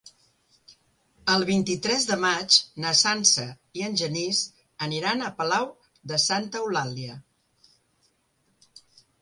El vint-i-tres de maig na Sança i en Genís aniran a Palau de Santa Eulàlia.